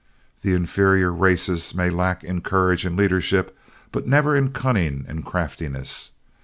The inferior races may lack in courage and leadership, but never in cunning and craftiness.